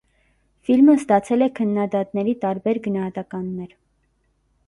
Ֆիլմը ստացել է քննադատների տարբեր գնահատականներ։